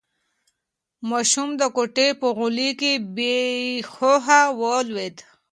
ماشوم د کوټې په غولي کې بې هوښه ولوېد.